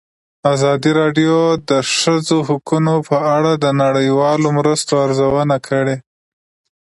ازادي راډیو د د ښځو حقونه په اړه د نړیوالو مرستو ارزونه کړې.